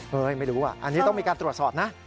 ไม่รู้อันนี้ต้องมีการตรวจสอบนะ